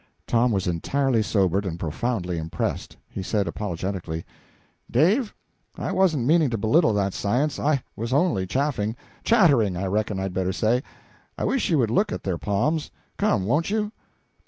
Tom was entirely sobered, and profoundly impressed. He said, apologetically "Dave, I wasn't meaning to belittle that science; I was only chaffing chattering, I reckon I'd better say. I wish you would look at their palms. Come, won't you?"